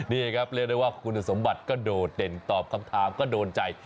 ว่าผู้ที่สมบัติก็โดนเด่นตอบคำถามก็โดนใจ